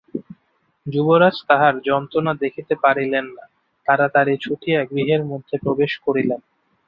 যুবরাজ তাহার যন্ত্রণা দেখিতে পারিলেন না, তাড়াতাড়ি ছুটিয়া গৃহের মধ্যে প্রবেশ করিলেন।